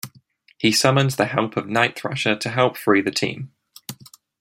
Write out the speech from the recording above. He summons the help of Night Thrasher to help free the team.